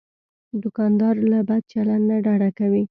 دوکاندار له بد چلند نه ډډه کوي.